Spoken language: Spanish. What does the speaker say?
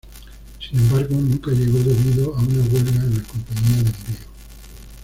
Sin embargo, nunca llegó debido a una huelga en la compañía de envío.